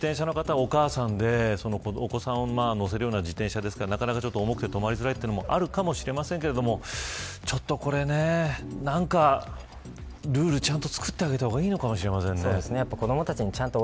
たぶんその自転車の方、お母さんでお子さんを乗せるような自転車ですから、なかなか重くて止まりづらいところもあるかもしれませんがちょっと、これ何かルールちゃんと作ってあげた方がいいのかもしれませんね。